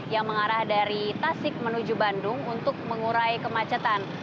yang mengarah dari tasik menuju bandung untuk mengurai kemacetan